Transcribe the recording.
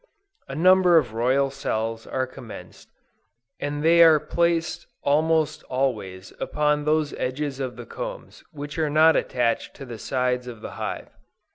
A number of royal cells are commenced, and they are placed almost always upon those edges of the combs which are not attached to the sides of the hive.